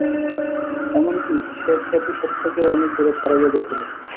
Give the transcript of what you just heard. এমন-কি, সে খ্যাতি সত্যকেও অনেক দূরে ছাড়াইয়া গিয়াছিল।